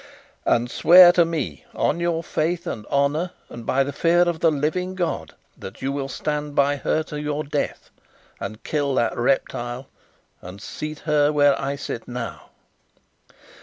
"And swear to me, on your faith and honour and by the fear of the living God, that you will stand by her to the death, and kill that reptile, and seat her where I sit now."